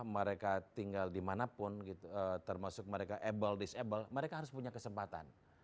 mereka tinggal dimanapun termasuk mereka able disable mereka harus punya kesempatan